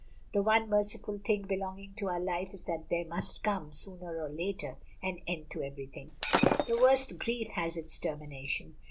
The one merciful thing belonging to our life is that there must come, sooner or later, an end to everything. The worst grief has its termination.